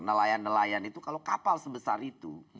nelayan nelayan itu kalau kapal sebesar itu